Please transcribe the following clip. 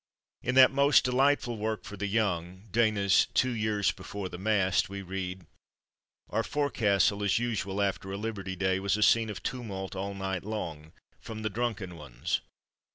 In that most delightful work for the young, Dana's Two years before the Mast, we read: "Our forecastle, as usual after a liberty day, was a scene of tumult all night long, from the drunken ones.